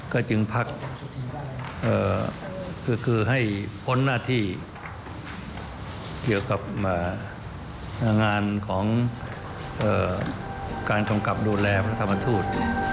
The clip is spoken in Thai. ก็จึงพักคือให้พ้นหน้าที่เกี่ยวกับงานของการกำกับดูแลพระธรรมทูต